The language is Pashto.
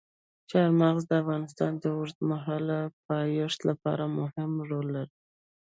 چار مغز د افغانستان د اوږدمهاله پایښت لپاره مهم رول لري.